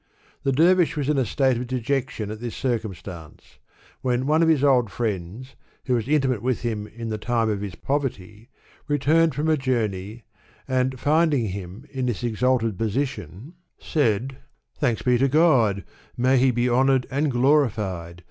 The dervish was in a state of dejection at this circumstance, when one of his old friends, who was intimate with him in the time of his poverty, returned from a journey, and, finding him in this exalted posi Digitized by Google f^^p 27S Sa'di. tion, said, '' Thanks be to God (may He be honored and glorified